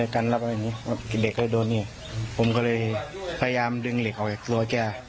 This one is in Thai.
กันแล้วก็เด็กก็โดนนี่ผมก็เลยพยายามดึงเหล็กออกจากตัวแก